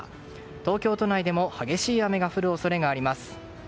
東京都内でも激しい雨が降る可能性があります。